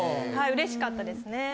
はい嬉しかったですね。